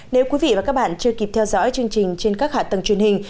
nếu quý vị và các bạn chưa kịp theo dõi chương trình trên các hạ tầng truyền hình